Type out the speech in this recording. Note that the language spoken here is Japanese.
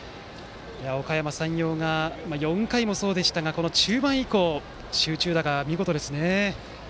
おかやま山陽が４回もそうでしたが中盤以降、集中打が見事ですね。